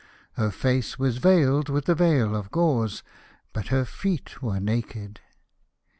Her face was veiled with a veil of gauze, but her feet were naked.